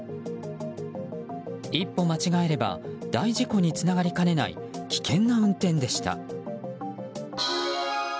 一歩間違えれば大事故につながりかねない危険な運転でした。